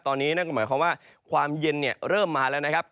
ตอนนี้นั่นก็หมายความว่าความเย็นเริ่มมาแล้วนะครับ